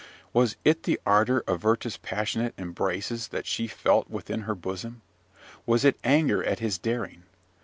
Was it the ardour of Werther's passionate embraces that she felt within her bosom? Was it anger at his daring?